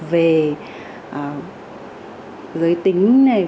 về giới tính này